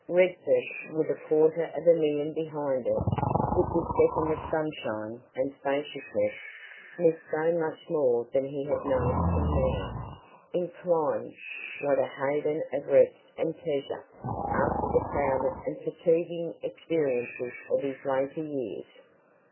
Redford, with a quarter of a million behind it, with this setting of sunshine and spaciousness (missed so much more than he had known till now), inclined what a haven of rest and pleasure, after the crowded and fatiguing experiences of his later years!